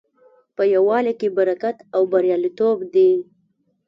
په یووالي کې برکت او بریالیتوب دی.